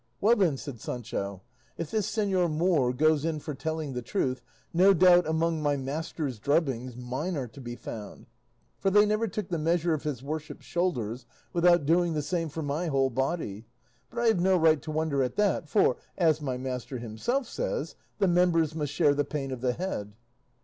"Well then," said Sancho, "if this señor Moor goes in for telling the truth, no doubt among my master's drubbings mine are to be found; for they never took the measure of his worship's shoulders without doing the same for my whole body; but I have no right to wonder at that, for, as my master himself says, the members must share the pain of the head."